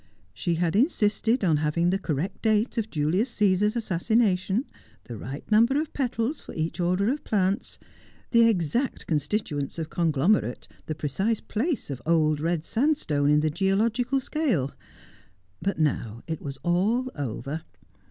She had insisted on having the correct date of Julius Caesar's assassination — the right number of petals for each order of plants — the exact constituents of conglomerate — the precise place of old red sandstone in the geological scale. But now it was all over.